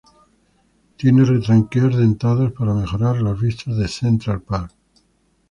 Tiene retranqueos dentados para mejorar las vistas de Central Park.